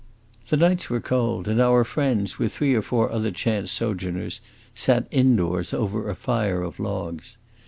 The nights were cold, and our friends, with three or four other chance sojourners, sat in doors over a fire of logs.